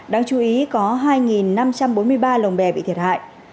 đáng chú ý có hai năm trăm bốn mươi ba lồng bè bị thiệt hại